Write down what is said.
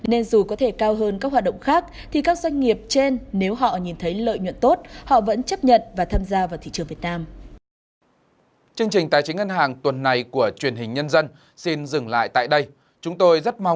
nên dù có thể cao hơn các hoạt động khác thì các doanh nghiệp trên nếu họ nhìn thấy lợi nhuận tốt họ vẫn chấp nhận và tham gia vào thị trường việt nam